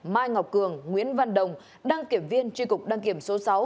mai ngọc cường nguyễn văn đồng đăng kiểm viên tri cục đăng kiểm số sáu